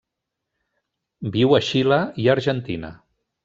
Viu a Xile i Argentina.